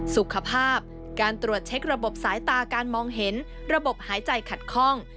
สุขภาพการตรวจเช็คระบบสายตาการมองเห็นระบบหายใจขัดข้อง